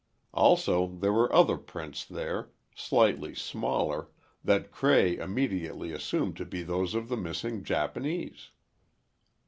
Also, there were other prints there, slightly smaller, that Cray immediately assumed to be those of the missing Japanese.